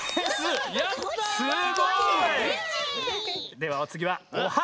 ではおつぎは「オハ！